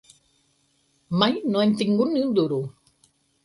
Mai no hem tingut ni un duro!